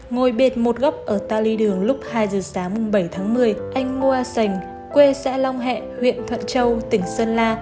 ngồi biệt một góc ở ta ly đường lúc hai giờ sáng bảy tháng một mươi anh ngoa sành quê xã long hẹ huyện thuận châu tỉnh sơn la